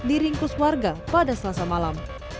diringkus warga pada selasa malam